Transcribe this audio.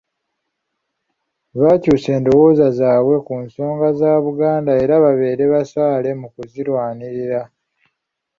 Bakyuse endowooza zaabwe ku nsonga za Buganda era babeere abasaale mu kuzirwanirira.